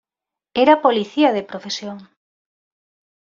Era policía de profesión.